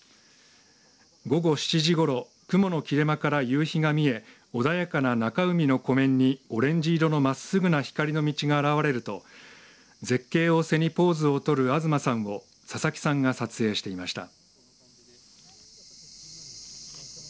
午後７時ごろ雲の切れ間から夕日が見え穏やかな中海の湖面にオレンジ色の真っすぐな光の道が現れると絶景を背にポーズを取る東さんを佐々木さんが撮影していました。